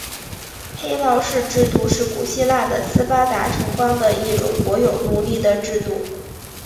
黑劳士制度是古希腊的斯巴达城邦的一种国有奴隶的制度。